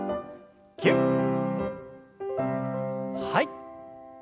はい。